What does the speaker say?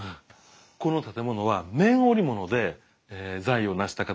この建物は綿織物で財を成した方の邸宅なんです。